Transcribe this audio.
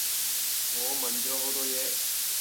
我問咗好多野